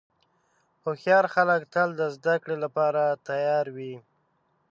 هوښیار خلک تل د زدهکړې لپاره تیار وي.